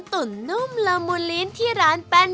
ตุ่นน่มลำมูลลินที่ร้าน